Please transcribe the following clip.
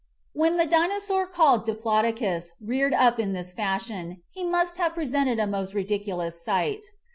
When the Dinosaur called Diplodocus reared up in this fashion he must have presented a most ridiculous sight.